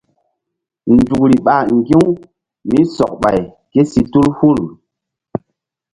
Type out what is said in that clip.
Nzukri ɓa ŋgi̧-u mí sɔk ɓay ké si tul hul.